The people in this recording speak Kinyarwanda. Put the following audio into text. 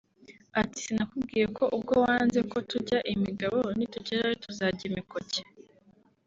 Ati “Sinakubwiye ko ubwo wanze ko tujya imigabo nitugerayo tuzajya imikoke